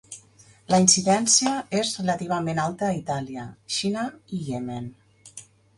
La incidència és relativament alta a Itàlia, Xina i Iemen.